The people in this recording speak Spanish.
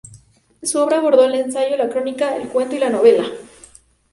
Su obra abordó el ensayo, la crónica, el cuento y la novela.